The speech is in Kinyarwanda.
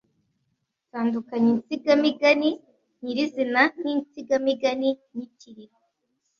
Tandukanya insigamigani nyirizina n’insigamigani nyitiriro